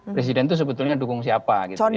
presiden itu sebetulnya dukung siapa gitu ya